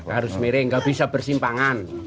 harus miring nggak bisa bersimpangan